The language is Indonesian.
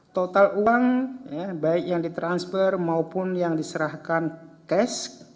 total uang baik yang ditransfer maupun yang diserahkan cash